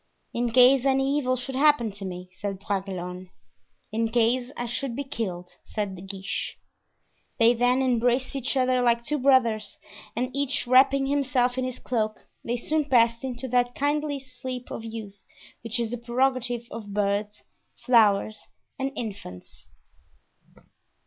"In case any evil should happen to me," said Bragelonne. "In case I should be killed," said De Guiche. They then embraced each other like two brothers, and each wrapping himself in his cloak they soon passed into that kindly sleep of youth which is the prerogative of birds, flowers and infants.